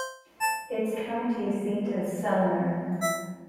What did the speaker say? Its county seat is Selmer.